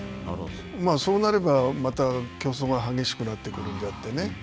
そうなればまた競争が激しくなってくるんであってね。